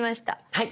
はい。